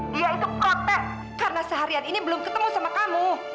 dia itu kotek karena seharian ini belum ketemu sama kamu